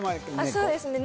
そうですね